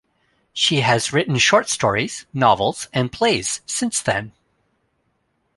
She has written short stories, novels, and plays since then.